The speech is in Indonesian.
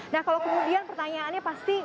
nah kalau kemudian pertanyaannya pasti